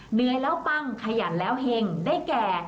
เหนื่อยแล้วปังขยันแล้วเห็งได้แก่